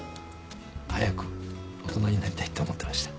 早く大人になりたいって思ってました。